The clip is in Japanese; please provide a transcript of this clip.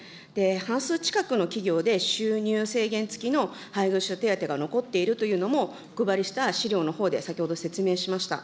半数近くの企業で収入制限付きの配偶者手当が残っているというのも、お配りした資料のほうで先ほど説明しました。